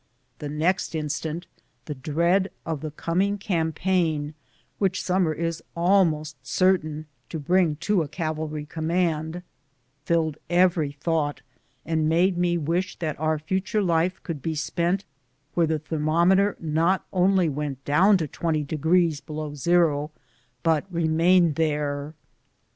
The next instant the dread of the coming campaign, which summer is almost certain to bring to a cavalry command, filled every thought, and made me wish that our future life could be spent where the thermometer not only went down to twenty degrees below zero but remained there.